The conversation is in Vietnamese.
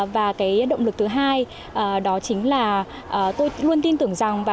và cái động lực thứ hai đó chính là tôi luôn tin tưởng rằng